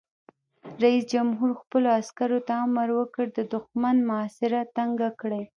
رئیس جمهور خپلو عسکرو ته امر وکړ؛ د دښمن محاصره تنګه کړئ!